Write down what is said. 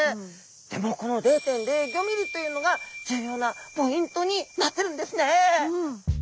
でもこの０．０５ｍｍというのが重要なポイントになってるんですね！